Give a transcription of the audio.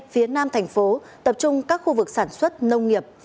phía nam thành phố tập trung các khu vực sản xuất nông nghiệp